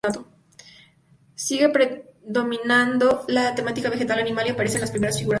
Sigue predominando la temática vegetal-animal y aparecen las primeras figuras humanas.